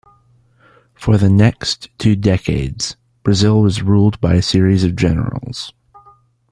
For the next two decades, Brazil was ruled by a series of generals.